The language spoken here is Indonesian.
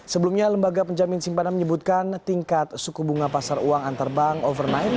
sebelumnya lembaga penjamin simpanan menyebutkan tingkat suku bunga pasar uang antar bank overnight